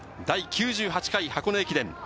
第９８回箱根駅伝。